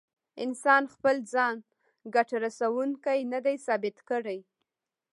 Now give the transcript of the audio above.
انسان خپل ځان ګټه رسوونکی نه دی ثابت کړی.